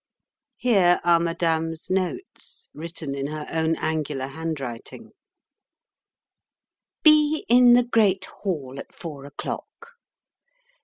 Here are Madame's notes written in her own angular handwriting: "Be in the great hall at four o'clock."